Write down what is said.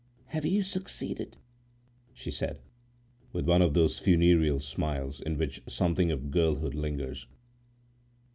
"Have you succeeded?" she said, with one of those funereal smiles in which something of girlhood lingers.